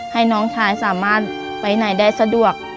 ให้น้องชายสามารถไปไหนได้สะดวก